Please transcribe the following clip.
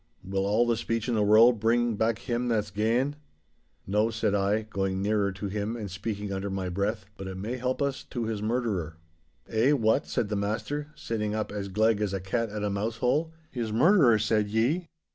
'Will all the speech in the world bring back him that's gane?' 'No,' said I, going nearer to him and speaking under my breath, 'but it may help us to his murderer.' 'Eh, what?' said the master, sitting up as gleg as a cat at a mousehole, '"His murderer," said ye?